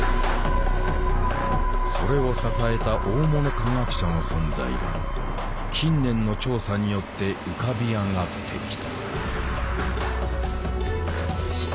それを支えた大物科学者の存在が近年の調査によって浮かび上がってきた。